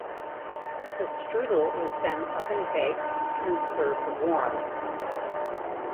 The strudel is then oven baked, and served warm.